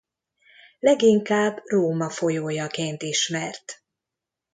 Leginkább Róma folyójaként ismert.